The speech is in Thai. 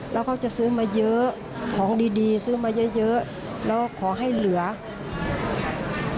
แล้วเขาจะซื้อมาเยอะของดีดีซื้อมาเยอะเยอะแล้วขอให้เหลือ